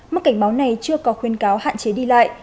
mức cảnh báo này chưa có khuyên cáo hạn chế đi lại